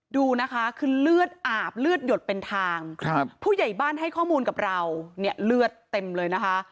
ดูนะคะคือเลือดอาบเลือดหยดเป็นทางครับผู้ใหญ่บ้านให้ข้อมูลกับเราเนี่ยเลือดเต็มเลยนะคะ